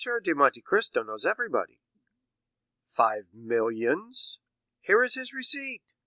de Monte Cristo knows everybody." "Five millions!" "Here is his receipt.